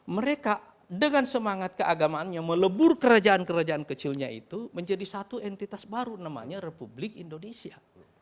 mereka dengan semangat keagamaannya melebur kerajaan kerajaan kecilnya itu menjadi satu entitas baru namanya republik indonesia